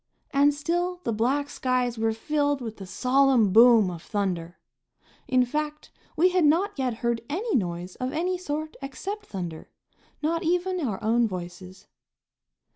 And still the black skies were filled with the solemn boom of thunder. In fact, we had not yet heard any noise of any sort except thunder, not even our own voices.